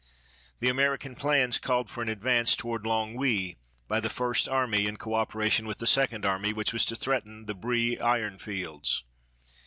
The American plans called for an advance toward Longwy by the First Army in co operation with the Second Army, which was to threaten the Briey iron fields.